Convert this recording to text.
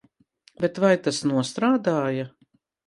Bet vai tas nostrādāja?